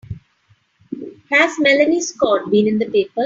Has Melanie Scott been in the papers?